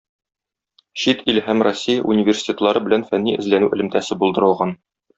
Чит ил һәм Россия университетлары белән фәнни-эзләнү элемтәсе булдырылган.